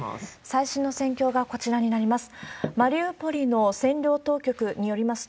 最新の戦況がこちらになります。